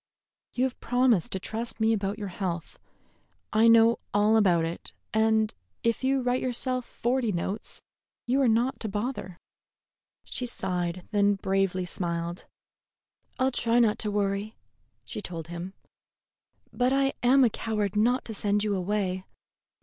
"You have promised to trust me about your health. I know all about it, and if you write yourself forty notes, you are not to bother." She sighed, and then bravely smiled. "I'll try not to worry," she told him; "but I am a coward not to send you away.